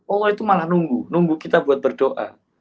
allah itu malah nunggu nunggu kita buat berdoa